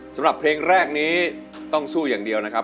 สำหรับเพลงแรกนี้ต้องสู้อย่างเดียวนะครับ